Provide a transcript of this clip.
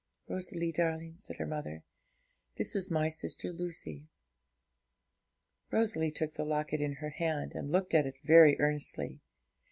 'Rosalie darling,' said her mother, 'that is my sister Lucy.' Rosalie took the locket in her hand, and looked at it very earnestly.